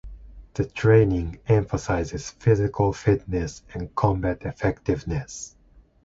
The training emphasizes physical fitness and combat effectiveness.